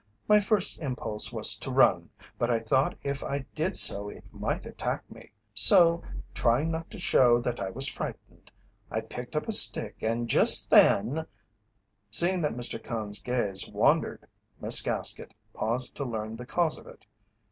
My first impulse was to run, but I thought if I did so it might attack me, so, trying not to show that I was frightened, I picked up a stick, and just then " Seeing that Mr. Cone's gaze wandered, Miss Gaskett paused to learn the cause of it.